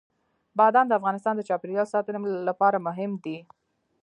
بادام د افغانستان د چاپیریال ساتنې لپاره مهم دي.